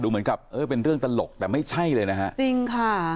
เหมือนกับเออเป็นเรื่องตลกแต่ไม่ใช่เลยนะฮะจริงค่ะ